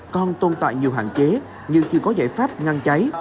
còn tồn tại nhiều hạn chế nhưng chưa có giải pháp ngăn cháy